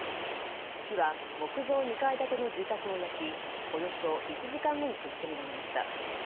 火は木造２階建ての住宅を焼きおよそ１時間後に消し止められました。